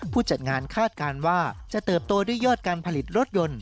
จัดงานคาดการณ์ว่าจะเติบโตด้วยยอดการผลิตรถยนต์